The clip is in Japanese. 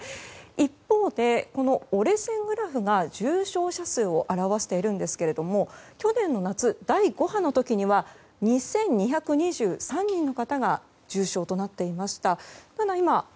一方で折れ線グラフが重症者数を表していますが去年の夏、第５波の時には２２２３人の方が重症となっていました。